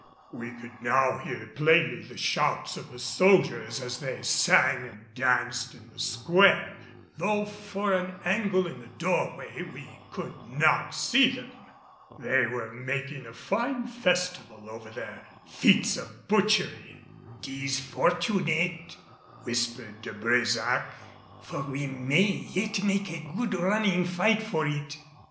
We could now hear plainly the shouts of the soldiers as they sang and danced in the square, though for an angle in the doorway we could not see them. They were making a fine festival over their feats of butchery! "'Tis fortunate," whispered De Brésac, "for we may yet make a good running fight for it."